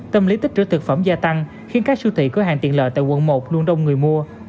tâm lý tích trữ thực phẩm gia tăng khiến các siêu thị cửa hàng tiện lợi tại quận một luôn đông người mua